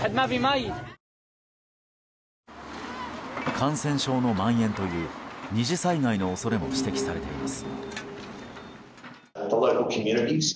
感染症のまん延という２次災害の恐れも指摘されています。